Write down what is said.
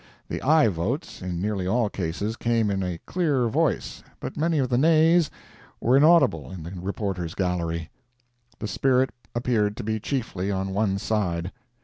The "aye" votes, in nearly all cases, came in a clear voice, but many of the "nays" were inaudible in the reporters' gallery. The spirit appeared to be chiefly on one side.